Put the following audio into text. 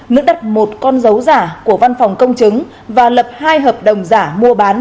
nữ đặt một con dấu giả của văn phòng công chứng và lập hai hợp đồng giả mua bán